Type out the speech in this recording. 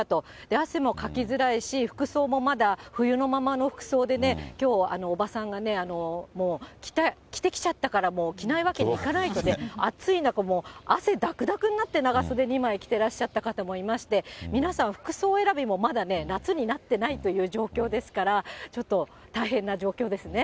汗もかきづらいし、服装もまだ冬のままの服装でね、きょう、おばさんがね、着てきちゃったから、着ないわけにいかないので、暑い中、もう汗だくだくになって長袖２枚着てらっしゃった方もいまして、皆さん服装選びもまだね、夏になっていないという状況ですから、ちょっと大変な状況ですね。